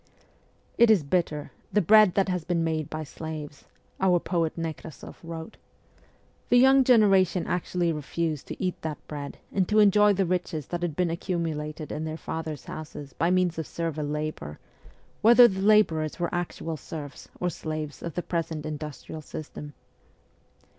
1 It is bitter, the bread that has been made by slaves,' our poet Nekrasoff wrote. The young genera tion actually refused to eat that bread, and to enjoy the riches that had been accumulated in their fathers' houses by means of servile labour, whether the labourers were actual serfs or slaves of the present industrial system.